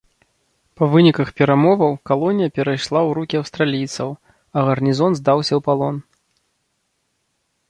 Па выніках перамоваў калонія перайшла ў рукі аўстралійцаў, а гарнізон здаўся ў палон.